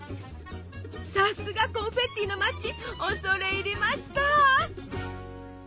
さすがコンフェッティの町恐れ入りました！